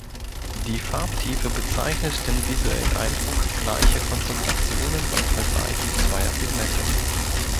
Die Farbtiefe bezeichnet den visuellen Eindruck gleicher Konzentrationen beim Vergleich zweier Pigmente.